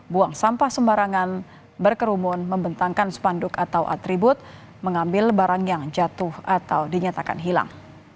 buang sampah sembarangan berkerumun membentangkan spanduk atau atribut mengambil barang yang jatuh atau dinyatakan hilang